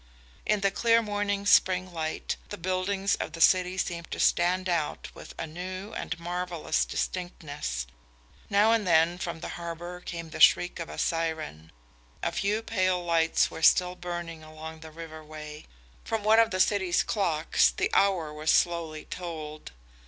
In the clear morning spring light, the buildings of the city seemed to stand out with a new and marvellous distinctness. Now and then from the harbour came the shriek of a siren. A few pale lights were still burning along the river way. From one of the city clocks the hour was slowly tolled.